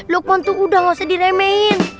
lukman tuh udah gak usah diremehin